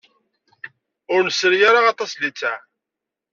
Ur nesri ara aṭas n littseɛ.